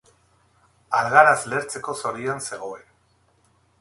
Algaraz lehertzeko zorian zegoen.